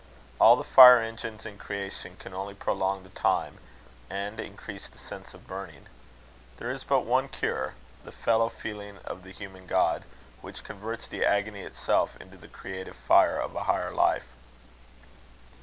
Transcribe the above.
All the fire engines in creation can only prolong the time, and increase the sense of burning. There is but one cure: the fellow feeling of the human God, which converts the agony itself into the creative fire of a higher life.